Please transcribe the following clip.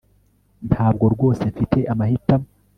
Ntabwo rwose mfite amahitamo